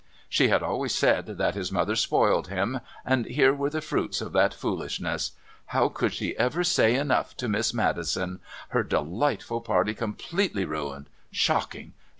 She had always said that his mother spoiled him, and here were the fruits of that foolishness. How could she ever say enough to Miss Maddison? Her delightful party completely ruined!... Shocking!...